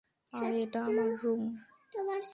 আরে, এটা আমার রুম।